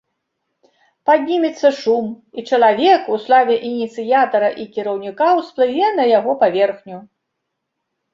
Паднімецца шум, і чалавек, у славе ініцыятара і кіраўніка, усплыве на яго паверхню.